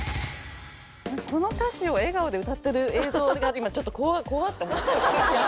この歌詞を笑顔で歌ってる映像が今ちょっと怖っ！と思って。